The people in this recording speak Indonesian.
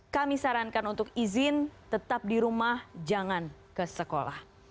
kami sarankan untuk izin tetap di rumah jangan ke sekolah